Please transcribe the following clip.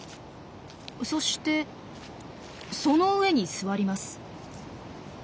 そしてその上に座ります。